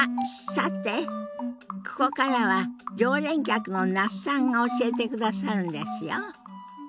さてここからは常連客の那須さんが教えてくださるんですよ。